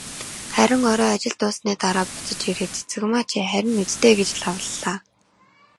Харин орой ажил дууссаны дараа буцаж ирээд, "Цэрэгмаа чи харина биз дээ" гэж лавлалаа.